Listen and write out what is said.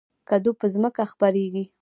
کدو په ځمکه خپریږي